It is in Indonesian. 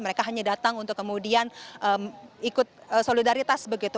mereka hanya datang untuk kemudian ikut solidaritas begitu